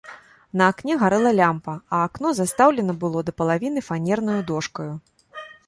На акне гарэла лямпа, а акно застаўлена было да палавіны фанернаю дошкаю.